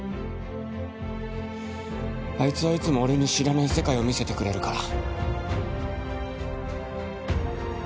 あいつはいつも俺に知らない世界を見せてくれるから